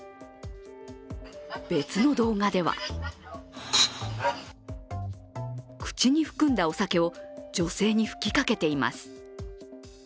別の動画では、口に含んだお酒を女性に吹きかけています。